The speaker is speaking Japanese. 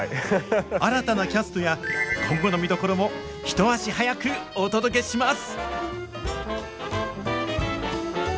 新たなキャストや今後の見どころも一足早くお届けします。